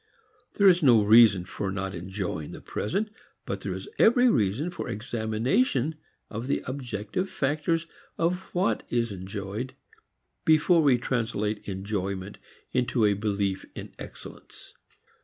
There is no reason for not enjoying the present, but there is every reason for examination of the objective factors of what is enjoyed before we translate enjoyment into a belief in excellence.